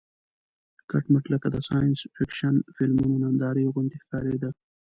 کټ مټ لکه د ساینس فېکشن فلمونو نندارې غوندې ښکارېده.